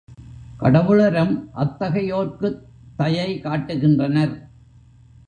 கடவுளரும் அத்தகையோர்க்குத் தயை காட்டுகின்றனர்.